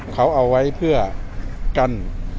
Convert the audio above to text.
สวัสดีครับ